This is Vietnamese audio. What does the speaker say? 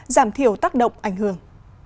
giảm thiểu tác động ảnh hưởng